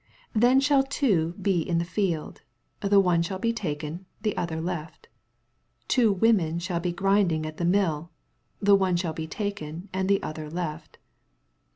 40 Then shall two be in the field ; the one shall be taken, and the other kft. 41 Two women ihaU be grinding at the mill ; the one shall be taken, and the other left.